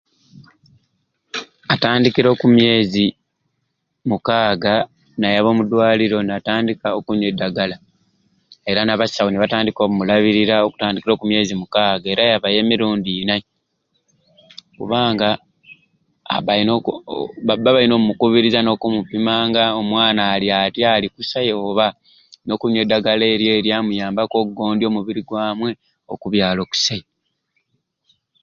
Atandikira oku myezi mukaaga nayaba omu dwaliro natandika okunywa edagala era na abasawu nebatandika omulabirira okutandikira oku myezi mukaaga era ayabayo emirundi innai kubanga aba ayina baba bayina okumukubiriza nokumupimanga omwana ali atyai ali kusai oba okunywa edagala eryo eryamuyabaku ogondya omubirir gwamwei okubyala okusai